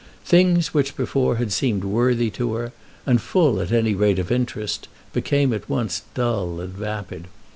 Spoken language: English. Things which before had seemed worthy to her, and full at any rate of interest, became at once dull and vapid.